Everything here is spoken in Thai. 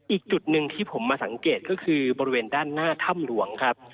อีกจุดหนึ่งที่ผมมาสังเกตก็คือบริเวณด้านหน้าถ้ำหลวงครับ